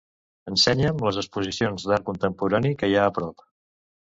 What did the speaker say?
Ensenya'm les exposicions d'art contemporani que hi ha a prop.